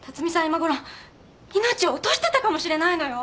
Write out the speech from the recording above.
今ごろ命を落としてたかもしれないのよ。